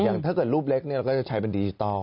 ถ้าเกิดรูปเล็กเราก็จะใช้เป็นดิจิทัล